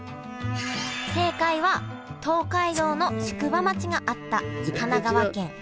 正解は東海道の宿場町があった神奈川県川崎市。